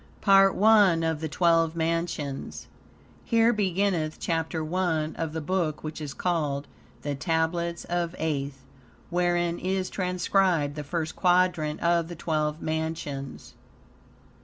PART I OF THE TWELVE MANSIONS Here beginneth Chapter I of the Book which is called "The Tablets of Aeth," wherein is transcribed the First Quadrant of the Twelve Mansions.